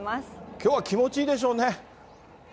きょうは気持ちいいでしょうね。